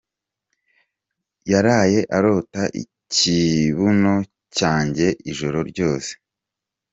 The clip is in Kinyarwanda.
yaraye arota ikibuno cyanje ijoro ryose.